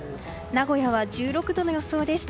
名古屋は１６度の予想です。